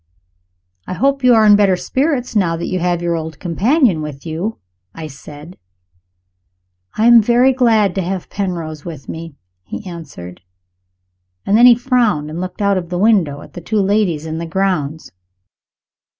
"I hope you are in better spirits, now that you have your old companion with you," I said. "I am very glad to have Penrose with me," he answered. And then he frowned and looked out of the window at the two ladies in the grounds.